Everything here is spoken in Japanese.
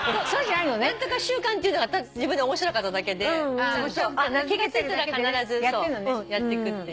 「何とか週間」っていうのが自分で面白かっただけで気が付いたら必ずやってくっていう。